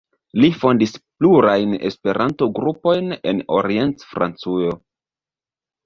Li fondis plurajn Esperanto-grupojn en Orient-Francujo.